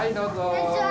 こんにちは。